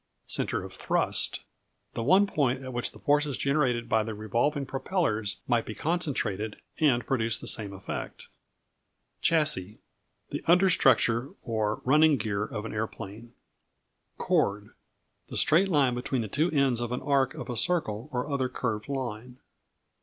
Centre of Thrust The one point at which the forces generated by the revolving propellers might be concentrated, and produce the same effect. Chassis The under structure or "running gear" of an aeroplane. Chord The straight line between the two ends of an arc of a circle or other curved line.